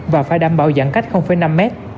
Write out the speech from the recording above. và phải đảm bảo giãn cách năm m